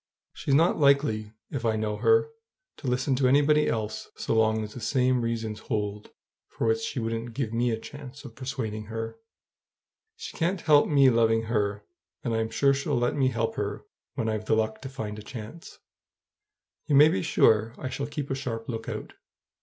She's not likely, if I know her, to listen to anybody else so long as the same reasons hold for which she wouldn't give me a chance of persuading her. She can't help me loving her, and I'm sure she'll let me help her when I've the luck to find a chance. You may be sure I shall keep a sharp lookout.